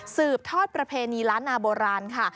สืบทอดประเพณีล้านนาโบราณค่ะ